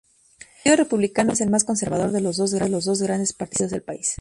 El partido Republicano es el más conservador de los dos grandes partidos del país.